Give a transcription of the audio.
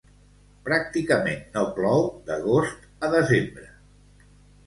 Pràcticament no plou d'agost a desembre.